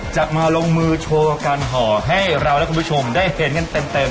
จะมาลงมือโชว์การห่อให้เราและคุณผู้ชมได้เห็นกันเต็ม